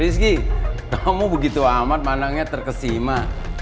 rizky kamu begitu amat panangnya terkesima